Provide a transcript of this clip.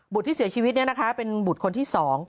บุตรที่เสียชีวิตเนี่ยนะคะเป็นบุตรคนที่สอง